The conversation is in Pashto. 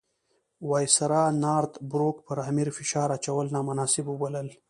وایسرا نارت بروک پر امیر فشار اچول نامناسب وبلل.